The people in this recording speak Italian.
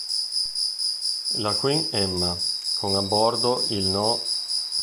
La "Queen Emma", con a bordo il No.